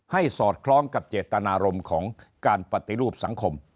สอดคล้องกับเจตนารมณ์ของการปฏิรูปสังคม